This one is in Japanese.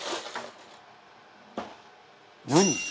「何！？」